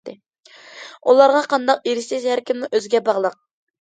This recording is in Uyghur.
ئۇلارغا قانداق ئېرىشىش ھەركىمنىڭ ئۆزىگە باغلىق.